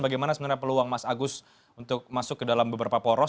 bagaimana sebenarnya peluang mas agus untuk masuk ke dalam beberapa poros